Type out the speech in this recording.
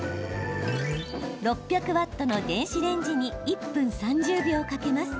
６００ワットの電子レンジに１分３０秒かけます。